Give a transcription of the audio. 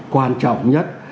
quan trọng nhất